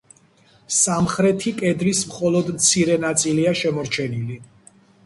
სამხრეთი კედლის მხოლოდ მცირე ნაწილია შემორჩენილი.